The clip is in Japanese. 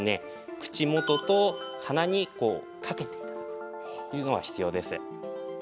口元と鼻にこうかけて頂くっていうのが必要です。